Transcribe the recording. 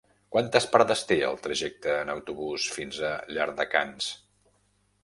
Quantes parades té el trajecte en autobús fins a Llardecans?